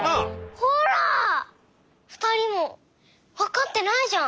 ふたりもわかってないじゃん。